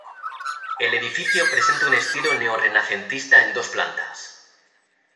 El edificio presenta un estilo neorrenacentista en dos plantas.